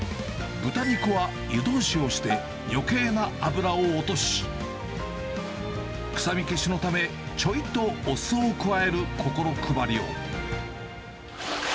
豚肉は湯通しをして、よけいな油を落とし、臭み消しのため、ちょいとお酢を加える心配りを。